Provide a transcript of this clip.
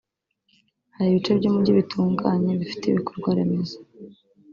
Hari ibice by’umujyi bitunganye bifite ibikorwa remezo